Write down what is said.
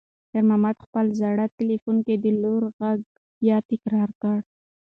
خیر محمد په خپل زوړ تلیفون کې د لور غږ بیا تکرار کړ.